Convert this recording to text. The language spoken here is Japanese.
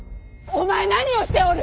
お前何をしておる！